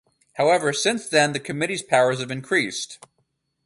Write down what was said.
However, since then the committee's powers have increased.